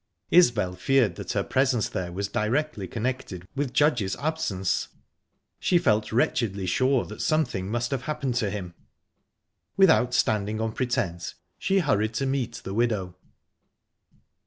Isbel feared that her presence there was directly connected with Judge's absence; she felt wretchedly sure that something must have happened to him. Without standing on pretence, she hurried to meet the widow.